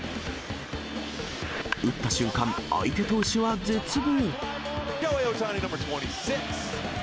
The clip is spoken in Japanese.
打った瞬間、相手投手は絶望。